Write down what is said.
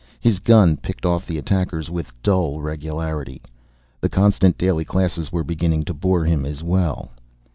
His gun picked off the attackers with dull regularity. The constant, daily classes were beginning to bore him as well.